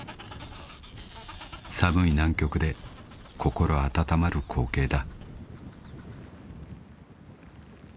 ［寒い南極で心温まる光景だ］